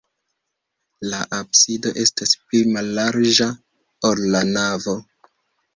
La absido estas pli mallarĝa, ol la navo.